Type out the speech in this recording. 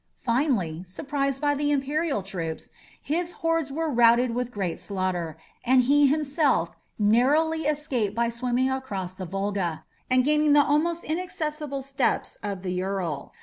Finally, surprised by the Imperial troops, his hordes were routed with great slaughter, and he himself narrowly escaped by swimming across the Volga, and gaining the almost inaccessible steppes of the Ural.